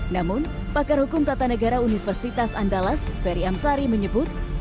namun pakar hukum tata negara universitas andalas ferry amsari menyebut